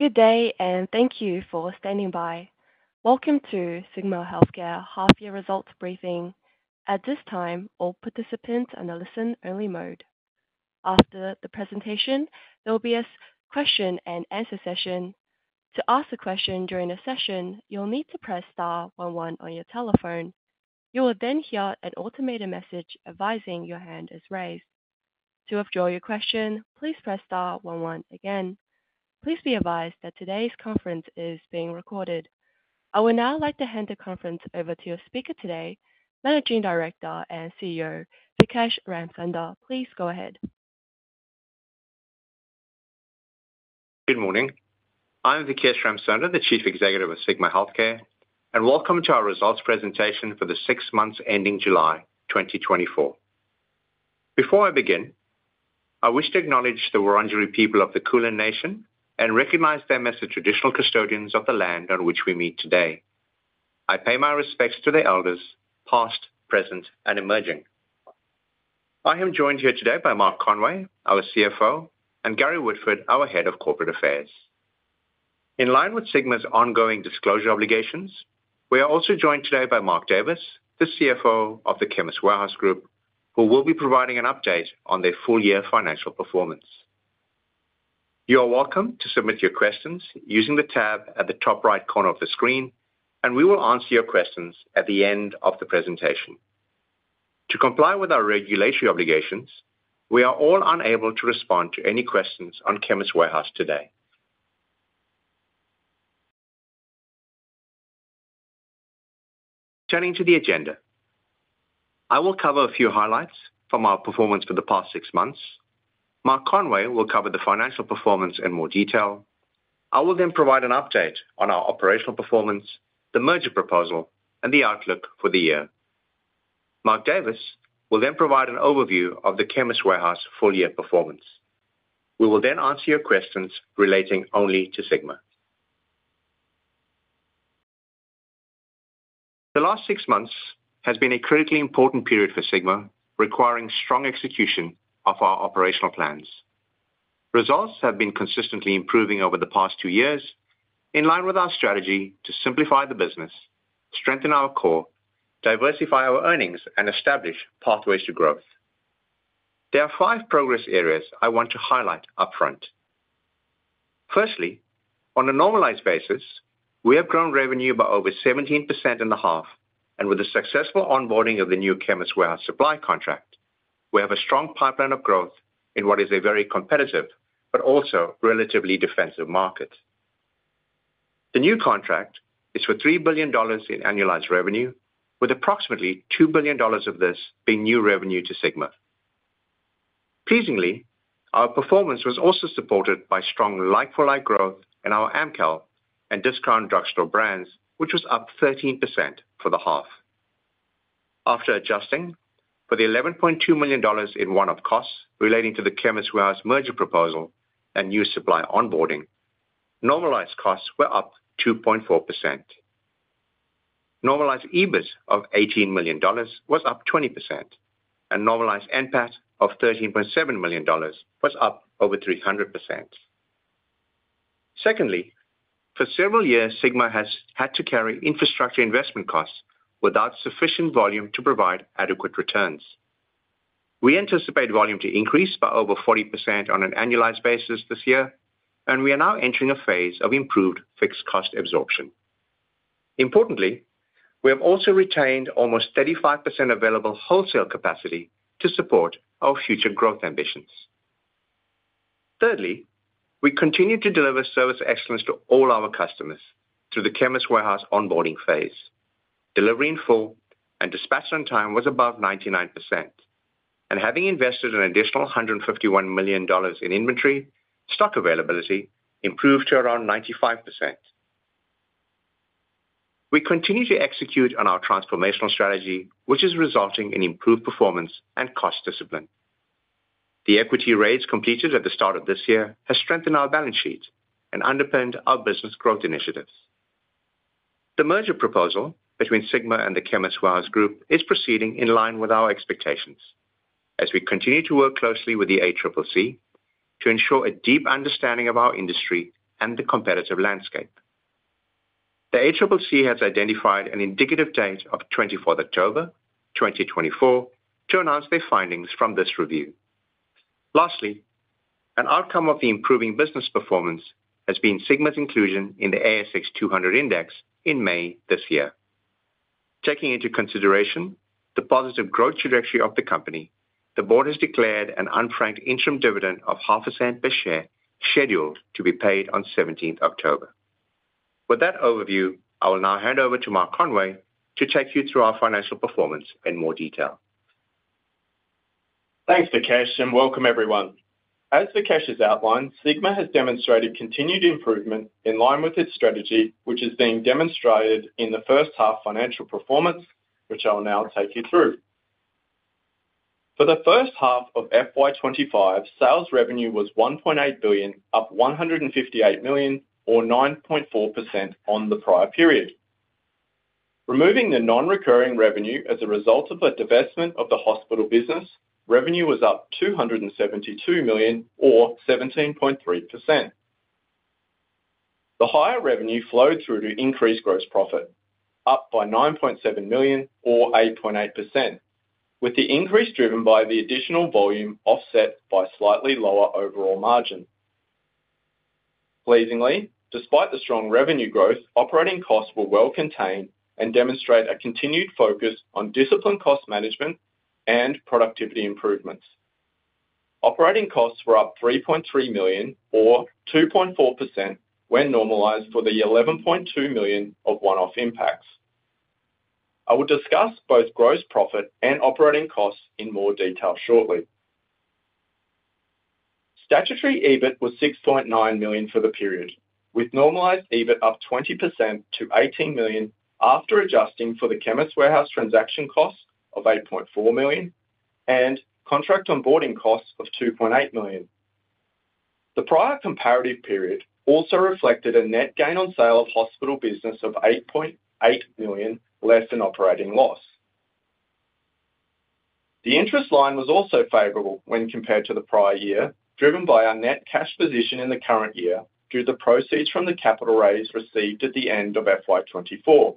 Good day, and thank you for standing by. Welcome to Sigma Healthcare Half Year Results Briefing. At this time, all participants are in a listen-only mode. After the presentation, there will be a question and answer session. To ask a question during the session, you'll need to press star one one on your telephone. You will then hear an automated message advising your hand is raised. To withdraw your question, please press star one one again. Please be advised that today's conference is being recorded. I would now like to hand the conference over to your speaker today, Managing Director and CEO, Vikesh Ramsunder. Please go ahead. Good morning. I'm Vikesh Ramsunder, the Chief Executive of Sigma Healthcare, and welcome to our results presentation for the six months ending July 2024. Before I begin, I wish to acknowledge the Wurundjeri people of the Kulin Nation and recognize them as the traditional custodians of the land on which we meet today. I pay my respects to the elders, past, present, and emerging. I am joined here today by Mark Conway, our CFO, and Gary Woodford, our Head of Corporate Affairs. In line with Sigma's ongoing disclosure obligations, we are also joined today by Mark Davis, the CFO of the Chemist Warehouse Group, who will be providing an update on their full year financial performance. You are welcome to submit your questions using the tab at the top right corner of the screen, and we will answer your questions at the end of the presentation. To comply with our regulatory obligations, we are all unable to respond to any questions on Chemist Warehouse today. Turning to the agenda, I will cover a few highlights from our performance for the past six months. Mark Conway will cover the financial performance in more detail. I will then provide an update on our operational performance, the merger proposal, and the outlook for the year. Mark Davis will then provide an overview of the Chemist Warehouse full year performance. We will then answer your questions relating only to Sigma. The last six months has been a critically important period for Sigma, requiring strong execution of our operational plans. Results have been consistently improving over the past two years, in line with our strategy to simplify the business, strengthen our core, diversify our earnings, and establish pathways to growth. There are five progress areas I want to highlight upfront. Firstly, on a normalized basis, we have grown revenue by over 17% in the half, and with the successful onboarding of the new Chemist Warehouse supply contract, we have a strong pipeline of growth in what is a very competitive but also relatively defensive market. The new contract is for 3 billion dollars in annualized revenue, with approximately 2 billion dollars of this being new revenue to Sigma. Pleasingly, our performance was also supported by strong like-for-like growth in our Amcal and Discount Drug Stores brands, which was up 13% for the half. After adjusting for the 11.2 million dollars in one-off costs relating to the Chemist Warehouse merger proposal and new supply onboarding, normalized costs were up 2.4%. Normalized EBIT of 18 million dollars was up 20%, and normalized NPAT of 13.7 million dollars was up over 300%. Secondly, for several years, Sigma has had to carry infrastructure investment costs without sufficient volume to provide adequate returns. We anticipate volume to increase by over 40% on an annualized basis this year, and we are now entering a phase of improved fixed cost absorption. Importantly, we have also retained almost 35% available wholesale capacity to support our future growth ambitions. Thirdly, we continue to deliver service excellence to all our customers through the Chemist Warehouse onboarding phase. Delivery in full and dispatch on time was above 99%, and having invested an additional 151 million dollars in inventory, stock availability improved to around 95%. We continue to execute on our transformational strategy, which is resulting in improved performance and cost discipline. The equity raise completed at the start of this year has strengthened our balance sheet and underpinned our business growth initiatives. The merger proposal between Sigma and the Chemist Warehouse Group is proceeding in line with our expectations as we continue to work closely with the ACCC to ensure a deep understanding of our industry and the competitive landscape. The ACCC has identified an indicative date of 24th October, 2024, to announce their findings from this review. Lastly, an outcome of the improving business performance has been Sigma's inclusion in the ASX 200 index in May this year. Taking into consideration the positive growth trajectory of the company, the board has declared an unfranked interim dividend of AUD 0.005 per share, scheduled to be paid on 17th October. With that overview, I will now hand over to Mark Conway to take you through our financial performance in more detail. Thanks, Vikesh, and welcome everyone. As Vikesh has outlined, Sigma has demonstrated continued improvement in line with its strategy, which is being demonstrated in the first half financial performance, which I will now take you through. For the first half of FY 2025, sales revenue was AUD 1.8 billion, up AUD 158 million or 9.4% on the prior period. Removing the non-recurring revenue as a result of the divestment of the hospital business, revenue was up 272 million, or 17.3%. The higher revenue flowed through to increased gross profit, up by 9.7 million, or 8.8%, with the increase driven by the additional volume offset by slightly lower overall margin. Pleasingly, despite the strong revenue growth, operating costs were well contained and demonstrate a continued focus on disciplined cost management and productivity improvements. Operating costs were up 3.3 million, or 2.4%, when normalized for the 11.2 million of one-off impacts. I will discuss both gross profit and operating costs in more detail shortly. Statutory EBIT was 6.9 million for the period, with normalized EBIT up 20% to 18 million after adjusting for the Chemist Warehouse transaction cost of 8.4 million and contract onboarding costs of 2.8 million. The prior comparative period also reflected a net gain on sale of hospital business of 8.8 million, less an operating loss. The interest line was also favorable when compared to the prior year, driven by our net cash position in the current year, through the proceeds from the capital raise received at the end of FY 2024.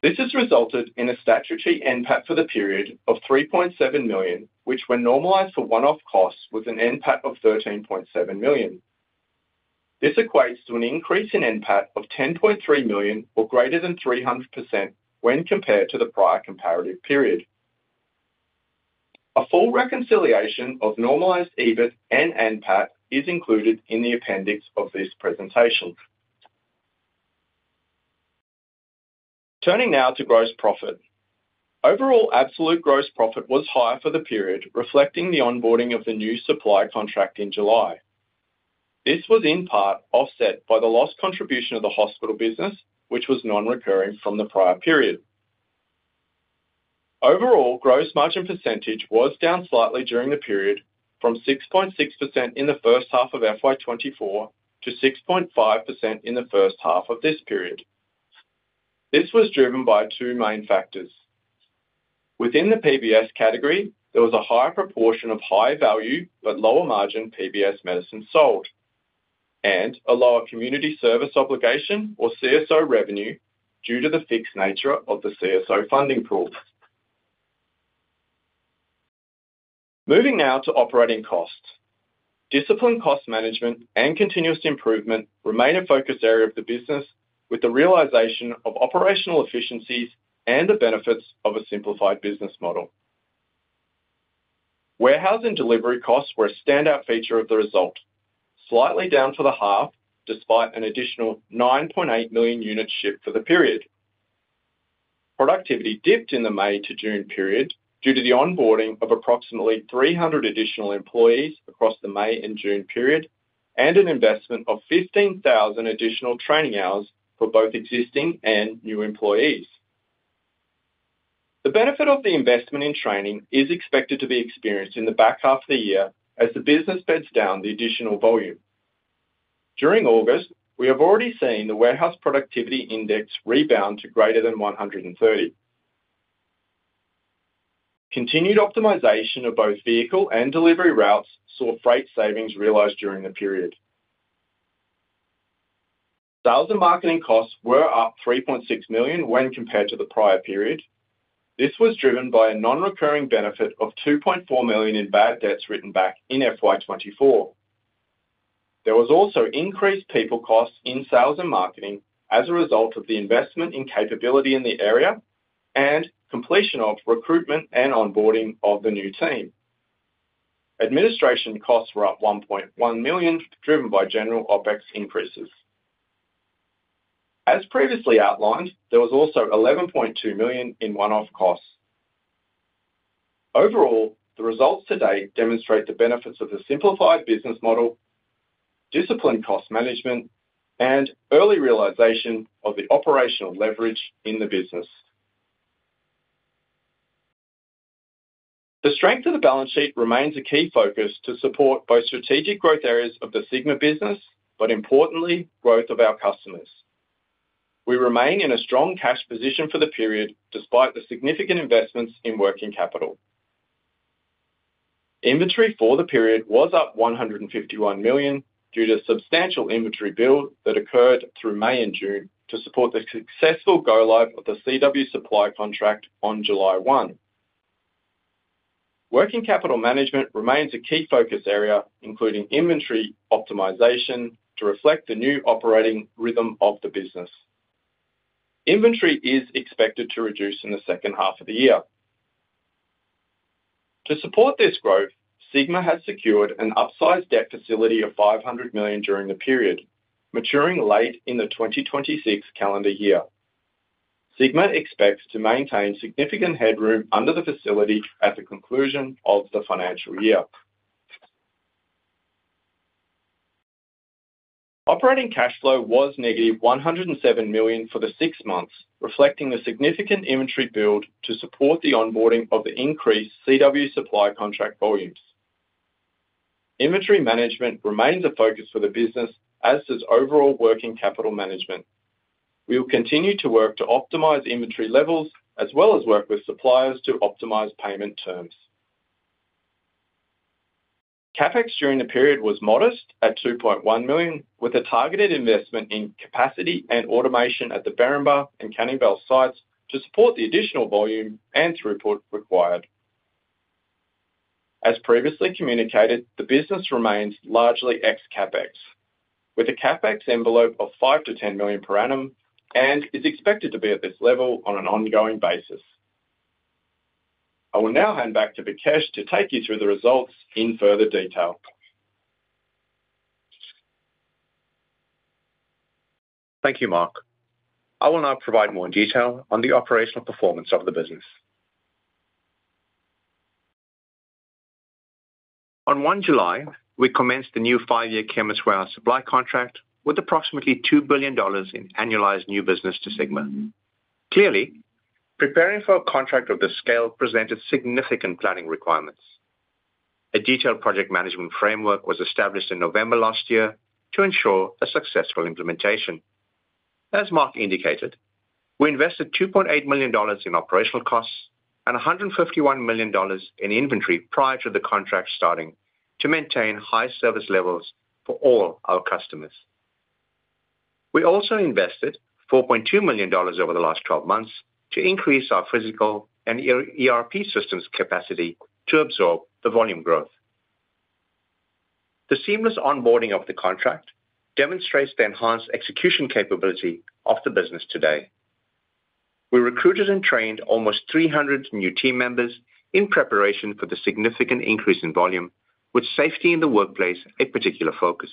This has resulted in a statutory NPAT for the period of 3.7 million, which, when normalized for one-off costs, was an NPAT of 13.7 million. This equates to an increase in NPAT of 10.3 million, or greater than 300%, when compared to the prior comparative period. A full reconciliation of normalized EBIT and NPAT is included in the appendix of this presentation. Turning now to gross profit. Overall, absolute gross profit was higher for the period, reflecting the onboarding of the new supply contract in July. This was in part offset by the lost contribution of the hospital business, which was non-recurring from the prior period. Overall, gross margin percentage was down slightly during the period, from 6.6% in the first half of FY 2024 to 6.5% in the first half of this period. This was driven by two main factors. Within the PBS category, there was a higher proportion of high value, but lower margin PBS medicine sold, and a lower community service obligation, or CSO revenue, due to the fixed nature of the CSO funding pool. Moving now to operating costs. Disciplined cost management and continuous improvement remain a focus area of the business, with the realization of operational efficiencies and the benefits of a simplified business model. Warehouse and delivery costs were a standout feature of the result, slightly down for the half, despite an additional 9.8 million units shipped for the period. Productivity dipped in the May to June period, due to the onboarding of approximately 300 additional employees across the May and June period, and an investment of 15,000 additional training hours for both existing and new employees. The benefit of the investment in training is expected to be experienced in the back half of the year as the business beds down the additional volume. During August, we have already seen the warehouse productivity index rebound to greater than 130. Continued optimization of both vehicle and delivery routes saw freight savings realized during the period. Sales and marketing costs were up 3.6 million when compared to the prior period. This was driven by a non-recurring benefit of 2.4 million in bad debts written back in FY 2024. There was also increased people costs in sales and marketing as a result of the investment in capability in the area and completion of recruitment and onboarding of the new team. Administration costs were up 1.1 million, driven by general OpEx increases. As previously outlined, there was also 11.2 million in one-off costs. Overall, the results to date demonstrate the benefits of the simplified business model, disciplined cost management, and early realization of the operational leverage in the business. The strength of the balance sheet remains a key focus to support both strategic growth areas of the Sigma business, but importantly, growth of our customers. We remain in a strong cash position for the period, despite the significant investments in working capital. Inventory for the period was up 151 million, due to substantial inventory build that occurred through May and June to support the successful go-live of the CW supply contract on July one. Working capital management remains a key focus area, including inventory optimization, to reflect the new operating rhythm of the business. Inventory is expected to reduce in the second half of the year. To support this growth, Sigma has secured an upsized debt facility of 500 million during the period, maturing late in the 2026 calendar year. Sigma expects to maintain significant headroom under the facility at the conclusion of the financial year. Operating cash flow was negative 107 million for the six months, reflecting the significant inventory build to support the onboarding of the increased CW supply contract volumes. Inventory management remains a focus for the business, as does overall working capital management. We will continue to work to optimize inventory levels, as well as work with suppliers to optimize payment terms. CapEx during the period was modest at 2.1 million, with a targeted investment in capacity and automation at the Berrinba and Canning Vale sites to support the additional volume and throughput required. As previously communicated, the business remains largely ex CapEx, with a CapEx envelope of 5 million- 10 million per annum, and is expected to be at this level on an ongoing basis. I will now hand back to Vikesh to take you through the results in further detail. Thank you, Mark. I will now provide more detail on the operational performance of the business. On 1 July, we commenced the new five-year Chemist Warehouse supply contract with approximately 2 billion dollars in annualized new business to Sigma. Clearly, preparing for a contract of this scale presented significant planning requirements. A detailed project management framework was established in November last year to ensure a successful implementation. As Mark indicated, we invested 2.8 million dollars in operational costs and 151 million dollars in inventory prior to the contract starting to maintain high service levels for all our customers. We also invested 4.2 million dollars over the last 12 months to increase our physical and ERP systems capacity to absorb the volume growth. The seamless onboarding of the contract demonstrates the enhanced execution capability of the business today. We recruited and trained almost 300 new team members in preparation for the significant increase in volume, with safety in the workplace a particular focus.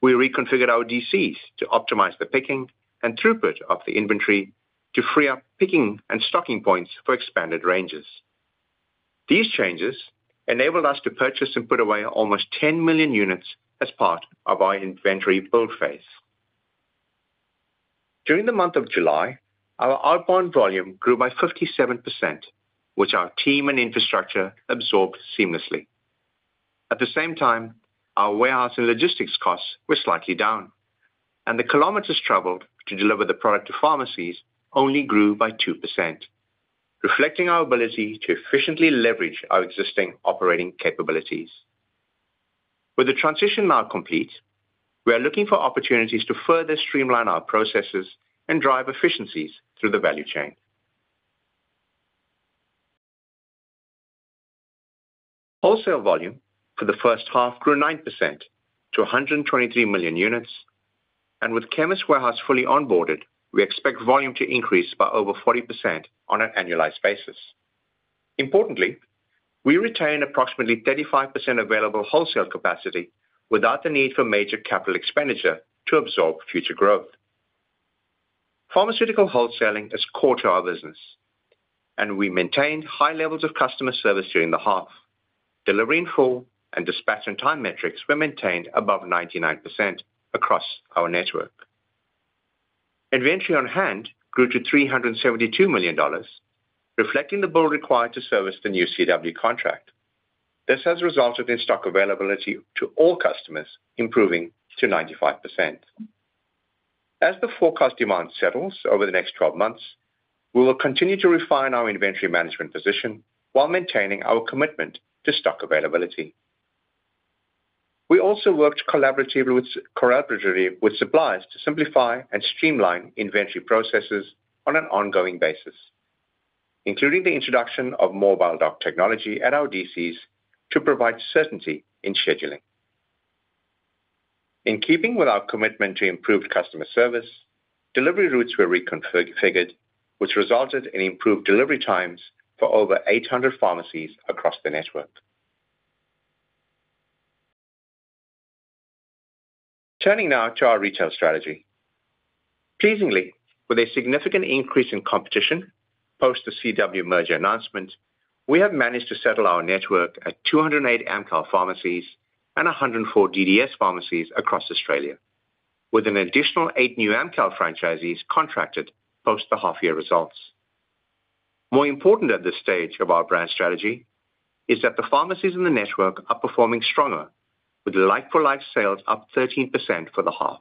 We reconfigured our DCs to optimize the picking and throughput of the inventory to free up picking and stocking points for expanded ranges. These changes enabled us to purchase and put away almost 10 million units as part of our inventory build phase. During the month of July, our outbound volume grew by 57%, which our team and infrastructure absorbed seamlessly. At the same time, our warehouse and logistics costs were slightly down, and the kilometers traveled to deliver the product to pharmacies only grew by 2%, reflecting our ability to efficiently leverage our existing operating capabilities. With the transition now complete, we are looking for opportunities to further streamline our processes and drive efficiencies through the value chain. Wholesale volume for the first half grew 9% to 123 million units, and with Chemist Warehouse fully onboarded, we expect volume to increase by over 40% on an annualized basis. Importantly, we retain approximately 35% available wholesale capacity without the need for major capital expenditure to absorb future growth. Pharmaceutical wholesaling is core to our business, and we maintained high levels of customer service during the half. Delivery in Full and Dispatch on Time metrics were maintained above 99% across our network. Inventory on hand grew to 372 million dollars, reflecting the bill required to service the new CW contract. This has resulted in stock availability to all customers, improving to 95%. As the forecast demand settles over the next twelve months, we will continue to refine our inventory management position while maintaining our commitment to stock availability. We also worked collaboratively with suppliers to simplify and streamline inventory processes on an ongoing basis, including the introduction of mobile dock technology at our DCs to provide certainty in scheduling. In keeping with our commitment to improved customer service, delivery routes were reconfigured, which resulted in improved delivery times for over 800 pharmacies across the network. Turning now to our retail strategy. Pleasingly, with a significant increase in competition post the CW merger announcement, we have managed to settle our network at 208 Amcal pharmacies and 104 DDS pharmacies across Australia, with an additional eight new Amcal franchisees contracted post the half-year results. More important at this stage of our brand strategy is that the pharmacies in the network are performing stronger, with Like-for-like sales up 13% for the half.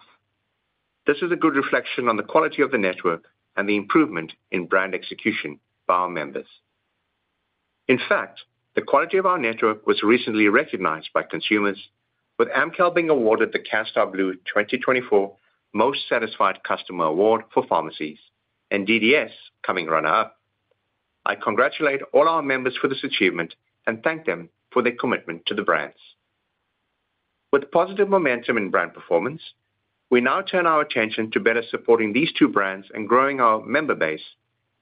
This is a good reflection on the quality of the network and the improvement in brand execution by our members. In fact, the quality of our network was recently recognized by consumers, with Amcal being awarded the Canstar Blue 2024 Most Satisfied Customer Award for pharmacies, and DDS coming runner-up. I congratulate all our members for this achievement and thank them for their commitment to the brands. With positive momentum in brand performance, we now turn our attention to better supporting these two brands and growing our member base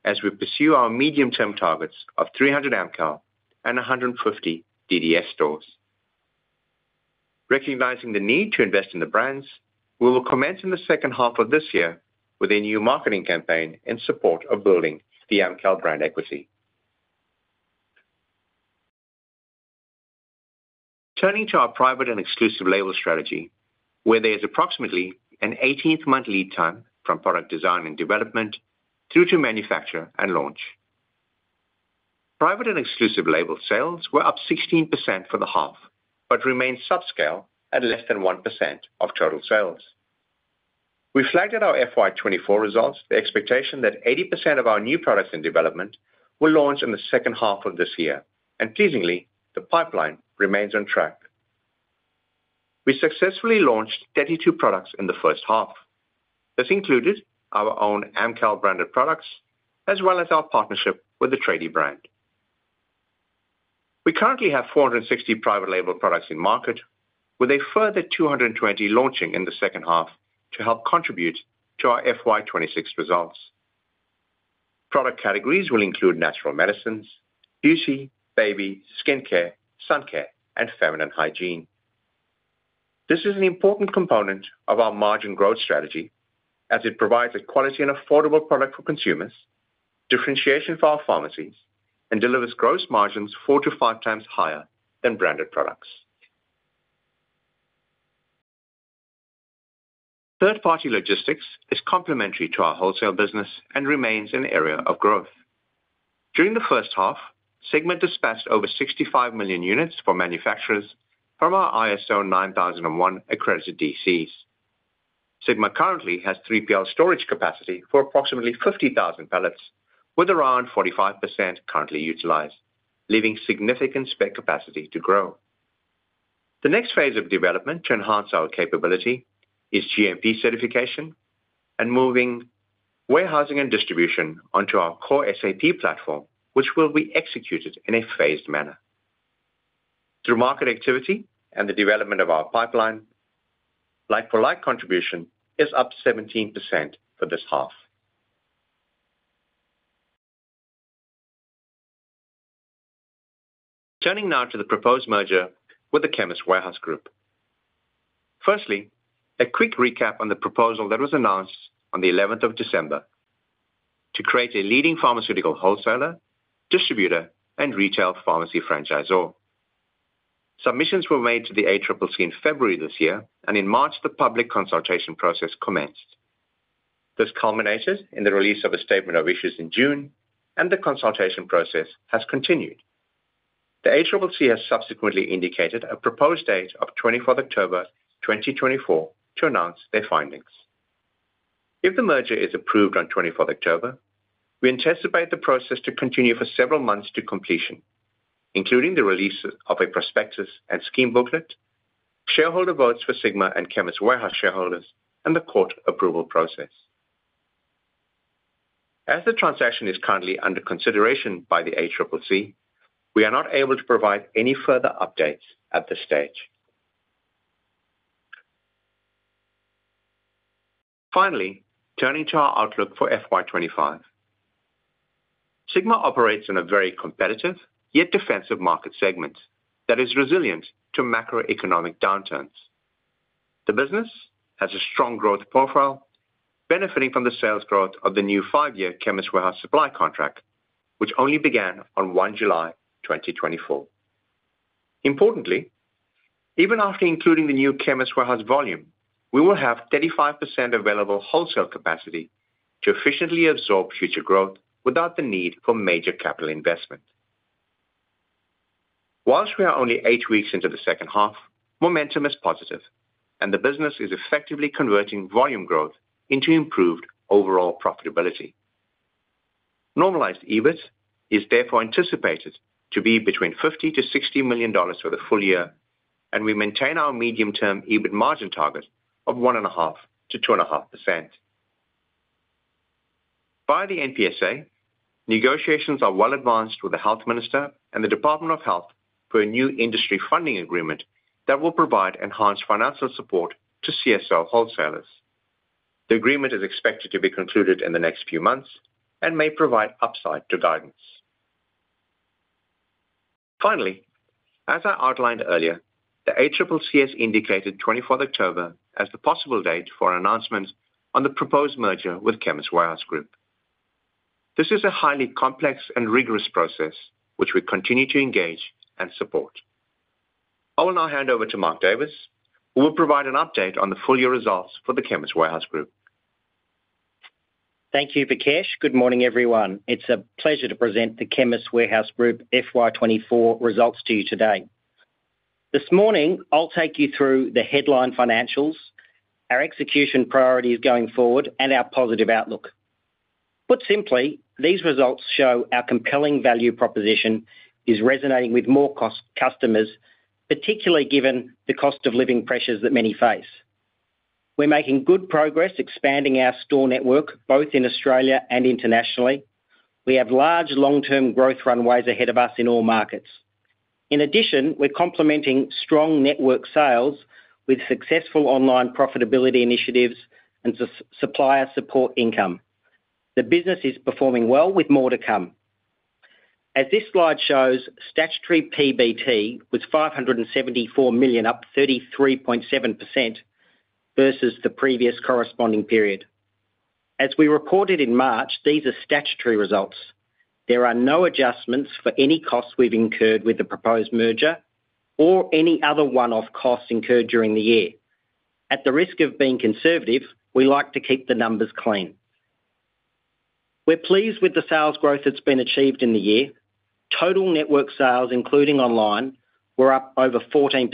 as we pursue our medium-term targets of 300 Amcal and 150 DDS stores. Recognizing the need to invest in the brands, we will commence in the second half of this year with a new marketing campaign in support of building the Amcal brand equity. Turning to our private and exclusive label strategy, where there is approximately an 18-month lead time from product design and development through to manufacture and launch. Private and exclusive label sales were up 16% for the half, but remained subscale at less than 1% of total sales. We flagged at our FY 2024 results, the expectation that 80% of our new products in development will launch in the second half of this year, and pleasingly, the pipeline remains on track. We successfully launched 32 products in the first half. This included our own Amcal branded products, as well as our partnership with the Tradie brand. We currently have 460 private label products in market, with a further 220 launching in the second half to help contribute to our FY 2026 results. Product categories will include natural medicines, beauty, baby, skincare, sun care, and feminine hygiene. This is an important component of our margin growth strategy as it provides a quality and affordable product for consumers, differentiation for our pharmacies, and delivers gross margins four to five times higher than branded products. Third-party logistics is complementary to our wholesale business and remains an area of growth. During the first half, Sigma dispatched over 65 million units for manufacturers from our ISO 9001 accredited DCs. Sigma currently has 3PL storage capacity for approximately 50,000 pallets, with around 45% currently utilized, leaving significant spare capacity to grow. The next phase of development to enhance our capability is GMP certification and moving warehousing and distribution onto our core SAP platform, which will be executed in a phased manner. Through market activity and the development of our pipeline, like-for-like contribution is up 17% for this half. Turning now to the proposed merger with the Chemist Warehouse Group. Firstly, a quick recap on the proposal that was announced on the eleventh of December to create a leading pharmaceutical wholesaler, distributor, and retail pharmacy franchisor. Submissions were made to the ACCC in February this year, and in March, the public consultation process commenced. This culminated in the release of a Statement of Issues in June, and the consultation process has continued. The ACCC has subsequently indicated a proposed date of 24th October, 2024, to announce their findings. If the merger is approved on twenty-fourth October, we anticipate the process to continue for several months to completion, including the release of a prospectus and scheme booklet, shareholder votes for Sigma and Chemist Warehouse shareholders, and the court approval process. As the transaction is currently under consideration by the ACCC, we are not able to provide any further updates at this stage. Finally, turning to our outlook for FY 2025. Sigma operates in a very competitive, yet defensive market segment that is resilient to macroeconomic downturns. The business has a strong growth profile, benefiting from the sales growth of the new five year Chemist Warehouse supply contract, which only began on 1 July 2024. Importantly, even after including the new Chemist Warehouse volume, we will have 35% available wholesale capacity to efficiently absorb future growth without the need for major capital investment. While we are only eight weeks into the second half, momentum is positive, and the business is effectively converting volume growth into improved overall profitability. Normalized EBIT is therefore anticipated to be between 50 million-60 million dollars for the full year, and we maintain our medium-term EBIT margin target of 1.5%-2.5%. By the NPSA, negotiations are well advanced with the Health Minister and the Department of Health for a new industry funding agreement that will provide enhanced financial support to CSO wholesalers. The agreement is expected to be concluded in the next few months and may provide upside to guidance. Finally, as I outlined earlier, the ACCC has indicated 24th October as the possible date for an announcement on the proposed merger with Chemist Warehouse Group. This is a highly complex and rigorous process, which we continue to engage and support. I will now hand over to Mark Davis, who will provide an update on the full year results for the Chemist Warehouse Group. Thank you, Vikesh. Good morning, everyone. It's a pleasure to present the Chemist Warehouse Group FY 2024 results to you today. This morning, I'll take you through the headline financials, our execution priorities going forward, and our positive outlook. Put simply, these results show our compelling value proposition is resonating with more cost-conscious customers, particularly given the cost of living pressures that many face. We're making good progress expanding our store network, both in Australia and internationally. We have large, long-term growth runways ahead of us in all markets. In addition, we're complementing strong network sales with successful online profitability initiatives and supplier support income. The business is performing well with more to come. As this slide shows, statutory PBT was 574 million, up 33.7% versus the previous corresponding period. As we reported in March, these are statutory results. There are no adjustments for any costs we've incurred with the proposed merger or any other one-off costs incurred during the year. At the risk of being conservative, we like to keep the numbers clean. We're pleased with the sales growth that's been achieved in the year. Total network sales, including online, were up over 14%.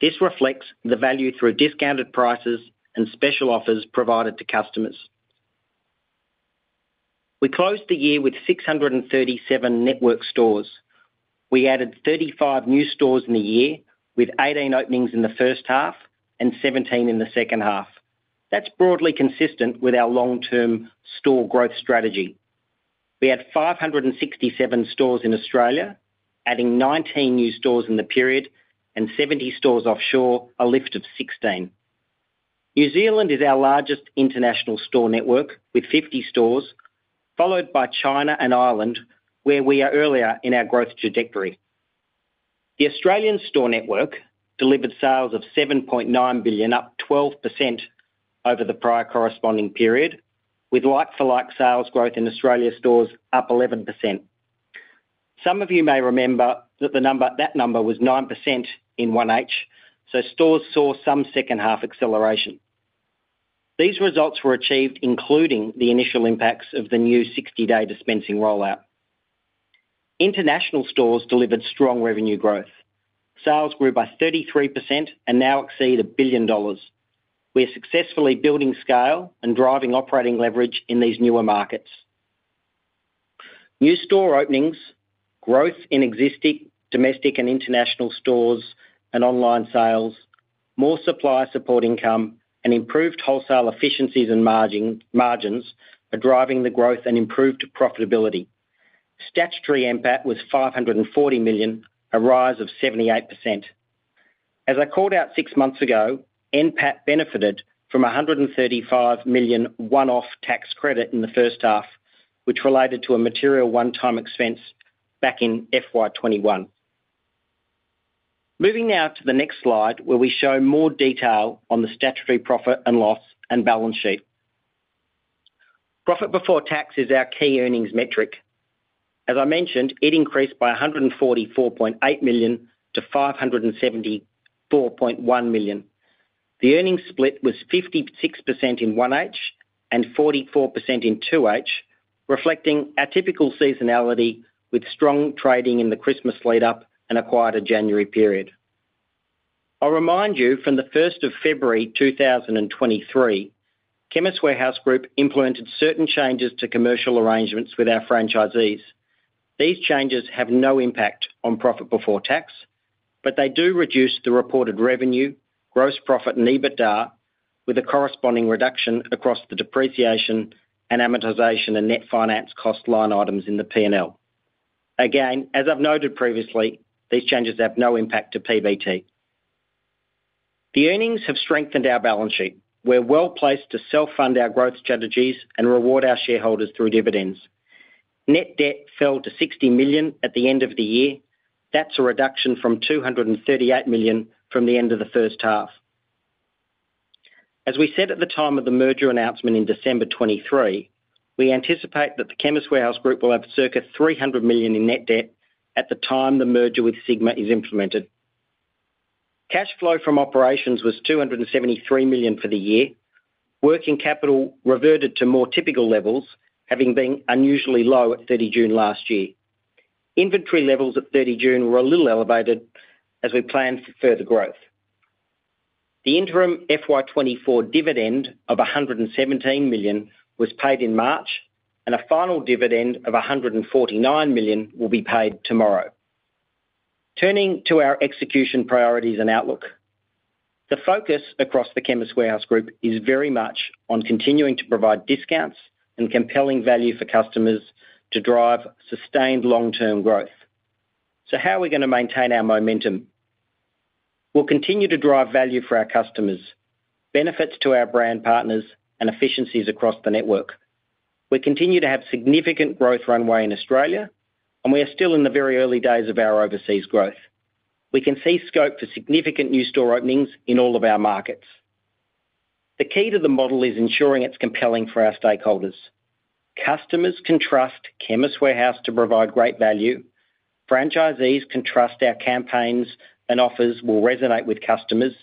This reflects the value through discounted prices and special offers provided to customers. We closed the year with 637 network stores. We added 35 new stores in the year, with 18 openings in the first half and 17 in the second half. That's broadly consistent with our long-term store growth strategy. We had 567 stores in Australia, adding 19 new stores in the period, and 70 stores offshore, a lift of 16. New Zealand is our largest international store network, with 50 stores, followed by China and Ireland, where we are earlier in our growth trajectory. The Australian store network delivered sales of 7.9 billion, up 12% over the prior corresponding period, with like-for-like sales growth in Australia stores up 11%. Some of you may remember that the number - that number was 9% in 1H, so stores saw some second-half acceleration. These results were achieved, including the initial impacts of the new sixty-day dispensing rollout. International stores delivered strong revenue growth. Sales grew by 33% and now exceed 1 billion dollars. We are successfully building scale and driving operating leverage in these newer markets. New store openings, growth in existing domestic and international stores and online sales, more supplier support income, and improved wholesale efficiencies and margins are driving the growth and improved profitability. Statutory NPAT was 540 million, a rise of 78%. As I called out six months ago, NPAT benefited from a 135 million one-off tax credit in the first half, which related to a material one-time expense back in FY 2021. Moving now to the next slide, where we show more detail on the statutory profit and loss and balance sheet. Profit before tax is our key earnings metric. As I mentioned, it increased by 144.8 million to 574.1 million. The earnings split was 56% in 1H and 44% in 2H, reflecting a typical seasonality, with strong trading in the Christmas lead up and a quieter January period. I'll remind you, from the 1st of February 2023, Chemist Warehouse Group implemented certain changes to commercial arrangements with our franchisees. These changes have no impact on profit before tax, but they do reduce the reported revenue, gross profit, and EBITDA, with a corresponding reduction across the depreciation and amortization and net finance cost line items in the P&L. Again, as I've noted previously, these changes have no impact to PBT. The earnings have strengthened our balance sheet. We're well-placed to self-fund our growth strategies and reward our shareholders through dividends. Net debt fell to 60 million at the end of the year. That's a reduction from 238 million from the end of the first half. As we said at the time of the merger announcement in December 2023, we anticipate that the Chemist Warehouse Group will have circa 300 million in net debt at the time the merger with Sigma is implemented. Cash flow from operations was 273 million for the year. Working capital reverted to more typical levels, having been unusually low at 30 June last year. Inventory levels at 30 June were a little elevated as we planned for further growth. The interim FY 2024 dividend of 117 million was paid in March, and a final dividend of 149 million will be paid tomorrow. Turning to our execution priorities and outlook. The focus across the Chemist Warehouse Group is very much on continuing to provide discounts and compelling value for customers to drive sustained long-term growth. So how are we gonna maintain our momentum? We'll continue to drive value for our customers, benefits to our brand partners, and efficiencies across the network. We continue to have significant growth runway in Australia, and we are still in the very early days of our overseas growth. We can see scope for significant new store openings in all of our markets. The key to the model is ensuring it's compelling for our stakeholders. Customers can trust Chemist Warehouse to provide great value, franchisees can trust our campaigns and offers will resonate with customers,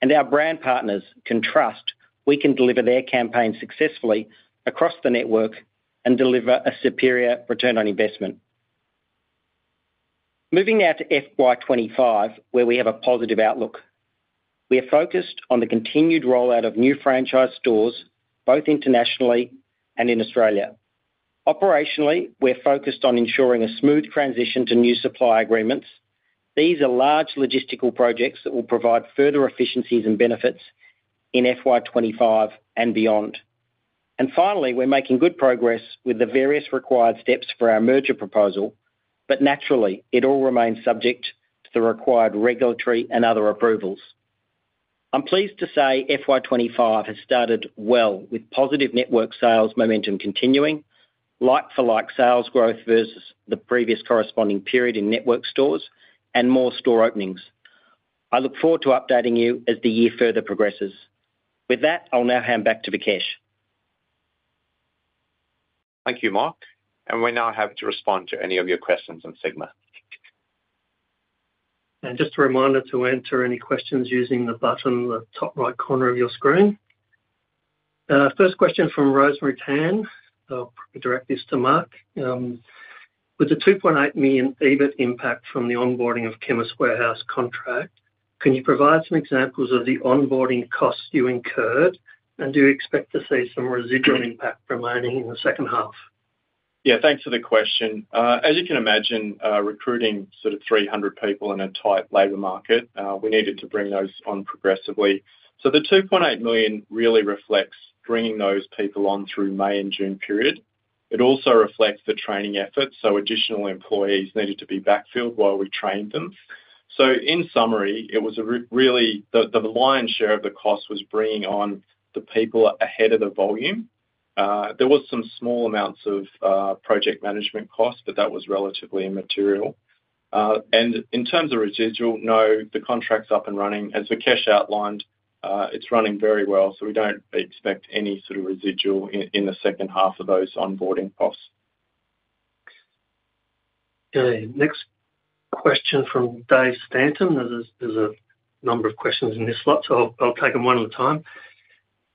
and our brand partners can trust we can deliver their campaign successfully across the network and deliver a superior return on investment. Moving now to FY 2025, where we have a positive outlook. We are focused on the continued rollout of new franchise stores, both internationally and in Australia. Operationally, we're focused on ensuring a smooth transition to new supply agreements. These are large logistical projects that will provide further efficiencies and benefits in FY 2025 and beyond. Finally, we're making good progress with the various required steps for our merger proposal, but naturally, it all remains subject to the required regulatory and other approvals. I'm pleased to say FY 2025 has started well, with positive network sales momentum continuing, like-for-like sales growth versus the previous corresponding period in network stores, and more store openings. I look forward to updating you as the year further progresses. With that, I'll now hand back to Vikesh. Thank you, Mark. And we're now happy to respond to any of your questions on Sigma. Just a reminder to enter any questions using the button on the top right corner of your screen. First question from Rosemary Tan. I'll direct this to Mark. With the 2.8 million EBIT impact from the onboarding of Chemist Warehouse contract, can you provide some examples of the onboarding costs you incurred, and do you expect to see some residual impact remaining in the second half? Yeah, thanks for the question. As you can imagine, recruiting sort of three hundred people in a tight labor market, we needed to bring those on progressively. So the 2.8 million really reflects bringing those people on through May and June period. It also reflects the training efforts, so additional employees needed to be backfilled while we trained them. So in summary, it was really the lion's share of the cost was bringing on the people ahead of the volume. There was some small amounts of project management costs, but that was relatively immaterial. And in terms of residual, no, the contract's up and running. As Vikesh outlined, it's running very well, so we don't expect any sort of residual in the second half of those onboarding costs. Okay, next question from Dave Stanton. There's a number of questions in this lot, so I'll take them one at a time.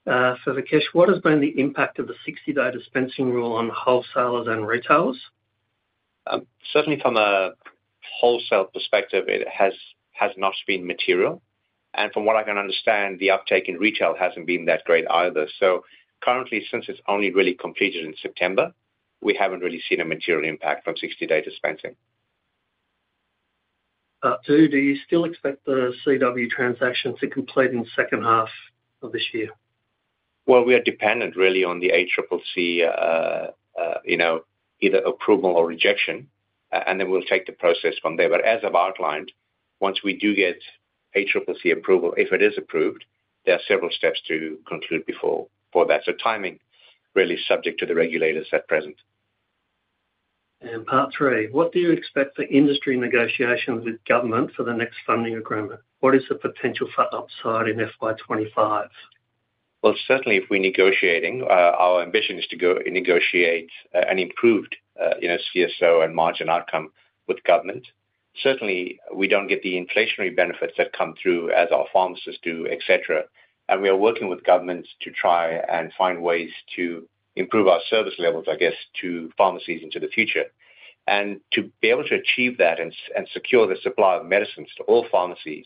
So, Vikesh, what has been the impact of the sixty-day dispensing rule on wholesalers and retailers? Certainly from a wholesale perspective, it has not been material, and from what I can understand, the uptake in retail hasn't been that great either. So currently, since it's only really completed in September, we haven't really seen a material impact from 60 day dispensing. Too, do you still expect the CW transaction to complete in the second half of this year? Well, we are dependent really on the ACCC, you know, either approval or rejection, and then we'll take the process from there. But as I've outlined, once we do get ACCC approval, if it is approved, there are several steps to conclude before, for that. So timing, really subject to the regulators at present. Part three: What do you expect for industry negotiations with government for the next funding agreement? What is the potential for upside in FY 2025? Certainly if we're negotiating, our ambition is to go and negotiate an improved, you know, CSO and margin outcome with government. Certainly, we don't get the inflationary benefits that come through as our pharmacists do, et cetera, and we are working with governments to try and find ways to improve our service levels, I guess, to pharmacies into the future. To be able to achieve that and secure the supply of medicines to all pharmacies,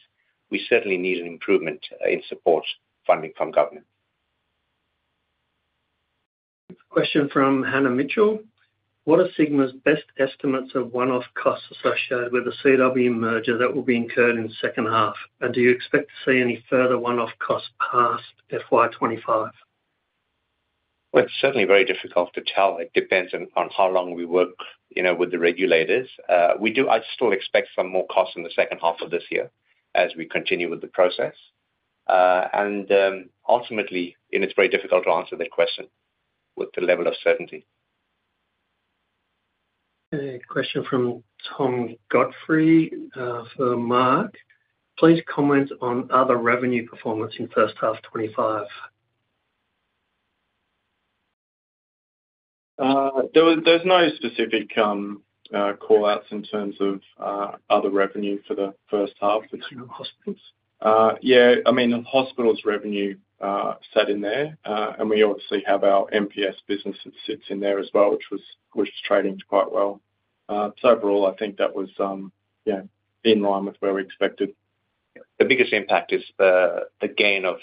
we certainly need an improvement in support funding from government. Question from Hannah Mitchell: What are Sigma's best estimates of one-off costs associated with the CW merger that will be incurred in the second half, and do you expect to see any further one-off costs past FY 2025? It's certainly very difficult to tell. It depends on how long we work, you know, with the regulators. I still expect some more costs in the second half of this year as we continue with the process. Ultimately, it's very difficult to answer that question with the level of certainty. A question from Tom Godfrey, for Mark. Please comment on other revenue performance in first half 2025. There's no specific call-outs in terms of other revenue for the first half. Hospitals? Yeah, I mean, hospitals revenue sat in there, and we obviously have our MPS business that sits in there as well, which was, which is trading quite well. So overall, I think that was, yeah, in line with where we expected. The biggest impact is the gain of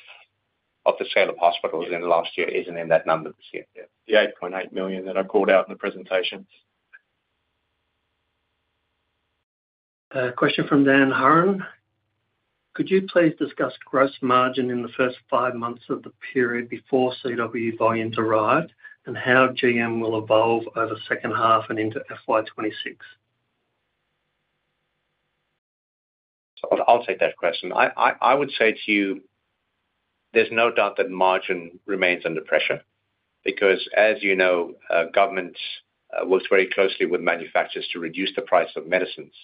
the sale of hospitals- Yeah In the last year isn't in that number this year. Yeah. The 8.8 million that I called out in the presentation. A question from Dan Hurren: Could you please discuss gross margin in the first five months of the period before CW volumes arrived, and how GM will evolve over second half and into FY 2026? So I'll take that question. I would say to you, there's no doubt that margin remains under pressure because, as you know, government works very closely with manufacturers to reduce the price of medicines,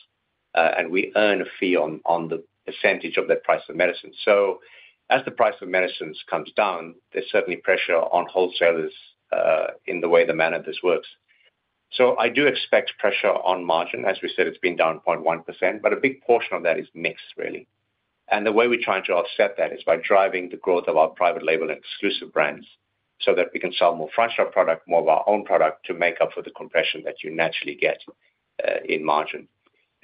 and we earn a fee on the percentage of the price of medicine. So as the price of medicines comes down, there's certainly pressure on wholesalers in the way the PBS works. So I do expect pressure on margin. As we said, it's been down 0.1%, but a big portion of that is mix, really. And the way we're trying to offset that is by driving the growth of our private label and exclusive brands, so that we can sell more franchise product, more of our own product, to make up for the compression that you naturally get in margin.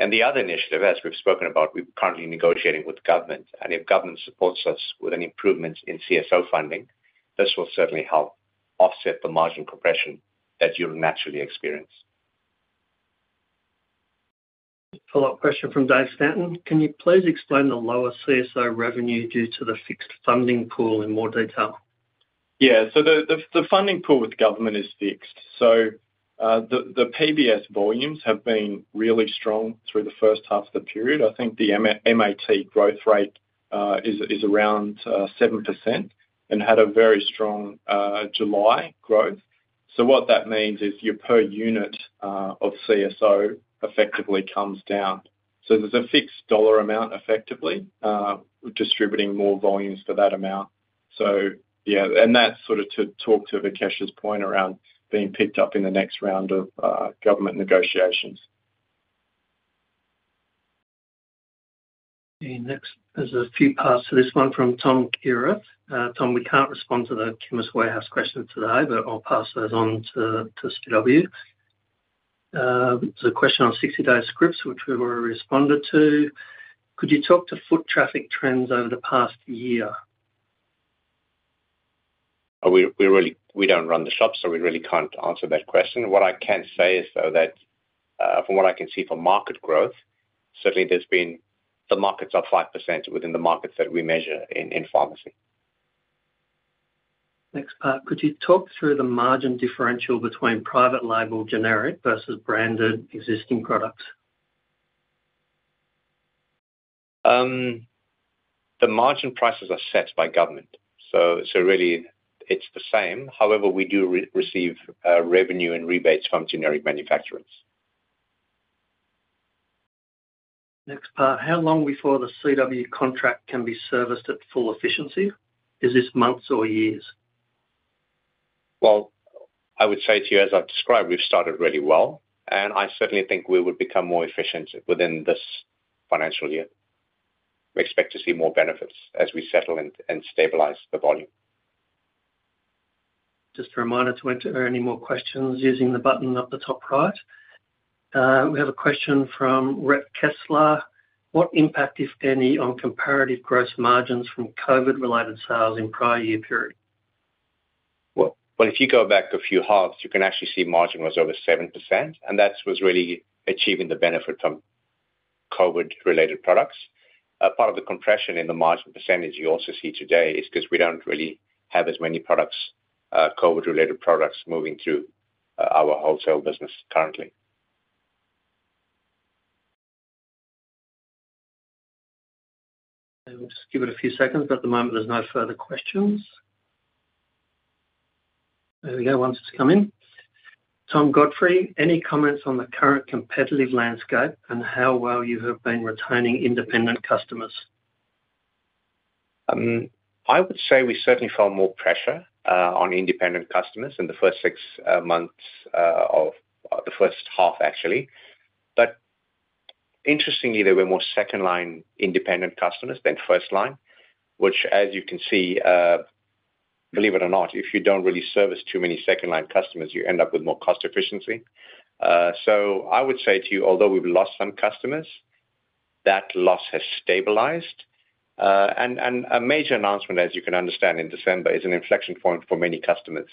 And the other initiative, as we've spoken about, we're currently negotiating with government, and if government supports us with an improvement in CSO funding, this will certainly help offset the margin compression that you'll naturally experience. Follow-up question from Dave Stanton: Can you please explain the lower CSO revenue due to the fixed funding pool in more detail? Yeah. The funding pool with government is fixed, so the PBS volumes have been really strong through the first half of the period. I think the MAT growth rate is around 7% and had a very strong July growth. What that means is your per unit of CSO effectively comes down. There's a fixed dollar amount effectively distributing more volumes for that amount. Yeah, and that's sort of to talk to Vikesh's point around being picked up in the next round of government negotiations. The next, there's a few parts to this one from Tom Kierath. Tom, we can't respond to the Chemist Warehouse question today, but I'll pass those on to CW. There's a question on sixty-day scripts, which we've already responded to. Could you talk to foot traffic trends over the past year? We really don't run the shop, so we really can't answer that question. What I can say is, though, that from what I can see from market growth, certainly there's been. The markets are 5% within the markets that we measure in pharmacy. Next part. Could you talk through the margin differential between private label generic versus branded existing products? The margin prices are set by government, so really it's the same. However, we do receive revenue and rebates from generic manufacturers. Next part: How long before the CW contract can be serviced at full efficiency? Is this months or years? I would say to you, as I've described, we've started really well, and I certainly think we would become more efficient within this financial year. We expect to see more benefits as we settle and stabilize the volume. Just a reminder to enter any more questions using the button at the top right. We have a question from Rhett Kessler. What impact, if any, on comparative gross margins from COVID-related sales in prior year period? Well, well, if you go back a few halves, you can actually see margin was over 7%, and that was really achieving the benefit from COVID-related products. Part of the compression in the margin percentage you also see today is 'cause we don't really have as many products, COVID-related products, moving through our wholesale business currently. We'll just give it a few seconds, but at the moment there's no further questions. There we go, one just come in. Tom Godfrey, any comments on the current competitive landscape and how well you have been retaining independent customers? I would say we certainly felt more pressure on independent customers in the first six months of the first half, actually, but interestingly, there were more second line independent customers than first line, which, as you can see, believe it or not, if you don't really service too many second line customers, you end up with more cost efficiency. So I would say to you, although we've lost some customers, that loss has stabilized, and a major announcement, as you can understand, in December is an inflection point for many customers,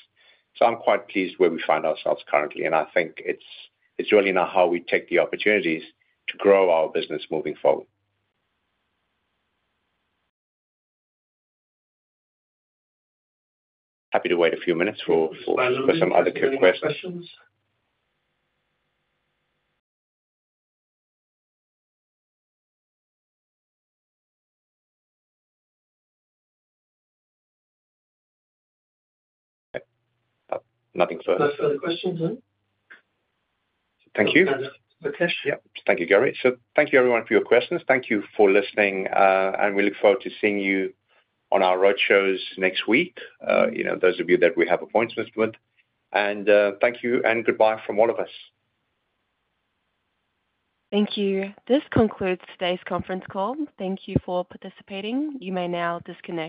so I'm quite pleased where we find ourselves currently, and I think it's really now how we take the opportunities to grow our business moving forward. Happy to wait a few minutes for some other questions. Questions. Nothing further. No further questions, no? Thank you. Vikesh. Yep. Thank you, Gary. So thank you everyone for your questions. Thank you for listening, and we look forward to seeing you on our roadshows next week. You know, those of you that we have appointments with, and thank you and goodbye from all of us. Thank you. This concludes today's conference call. Thank you for participating. You may now disconnect.